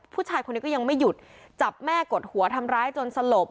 ผู้ชายคนนี้ก็ยังไม่หยุดจับแม่กดหัวทำร้ายจนสลบ